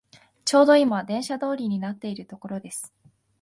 ちょうどいま電車通りになっているところです